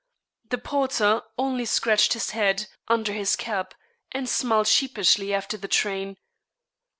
The porter only scratched his head, under his cap, and smiled sheepishly after the train.